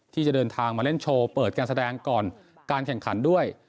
ที่จะเดินทางมาเล่นโชว์เปิดการแสดงก่อนการแข่งขันด้วย